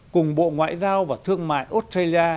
cùng bộ ngoại giao và thương mại australia